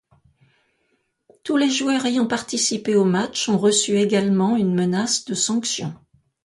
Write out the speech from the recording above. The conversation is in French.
Tous les joueurs ayant participé au match ont reçu également une menace de sanction.